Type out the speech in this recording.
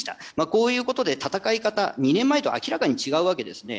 こういうことで闘い方が２年前とは明らかに違うわけですね。